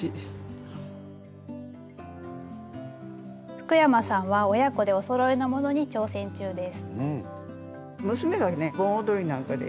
福山さんは親子でおそろいのものに挑戦中です。